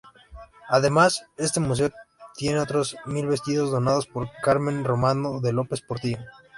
Además, este museo tiene otros mil vestidos donados por Carmen Romano de López Portillo.